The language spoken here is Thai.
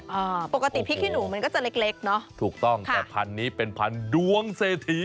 อ่าปกติพริกขี้หนูมันก็จะเล็กเล็กเนอะถูกต้องแต่พันนี้เป็นพันดวงเศรษฐี